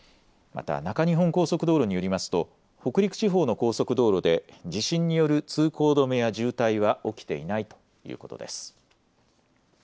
また、中日本高速道路によりますと、北陸地方の高速道路で、地震による通行止めや渋滞は起きていないということです。